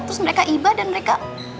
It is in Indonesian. terus mereka iba dan mereka